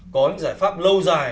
có những giải pháp lâu dài